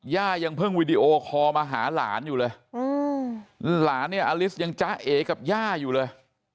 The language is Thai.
ย่ายังเพิ่งวีดีโอคอลมาหาหลานอยู่เลยหลานเนี่ยอลิสยังจ๊ะเอกับย่าอยู่เลย